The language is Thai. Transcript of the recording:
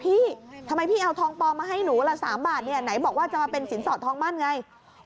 พี่ทำไมพี่เอาทองปลอมมาให้หนูละ๓บาทเนี่ยไหนบอกว่าจะมาเป็นสินสอดทองมั่นไง